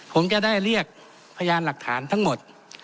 ผมจะได้เรียกพยานหลักฐานทั้งหมด